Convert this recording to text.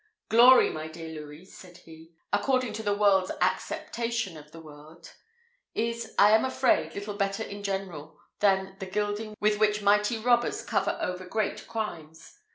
"Glory, my dear Louis," said he, "according to the world's acceptation of the word, is, I am afraid, little better in general than the gilding with which mighty robbers cover over great crimes.